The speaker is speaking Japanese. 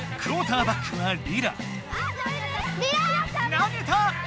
投げた！